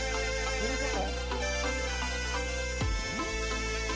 どういうこと？